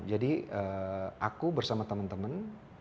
jadi aku bersama teman teman